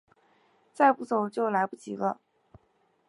再不走就来不及了